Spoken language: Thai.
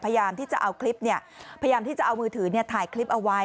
พยายามที่จะเอาคลิปพยายามที่จะเอามือถือถ่ายคลิปเอาไว้